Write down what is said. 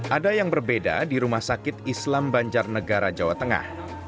ada yang berbeda di rumah sakit islam banjarnegara jawa tengah